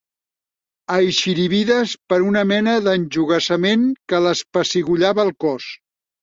Aixeribides per una mena d'enjogassament que les pessigo llava el cos